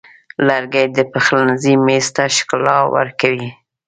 لرګی د پخلنځي میز ته ښکلا ورکوي.